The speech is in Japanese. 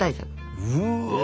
うわ！